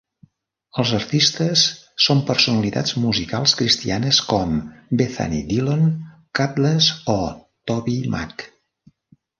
Els artistes són personalitats musicals cristianes com Bethany Dillon, Kutless o tobyMac.